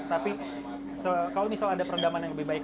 tapi kalau misalnya ada perendaman yang lebih baik lagi